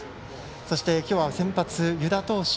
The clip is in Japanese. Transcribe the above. そして今日は先発、湯田投手。